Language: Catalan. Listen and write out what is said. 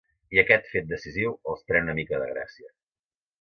I aquest fet decisiu els pren una mica de gràcia.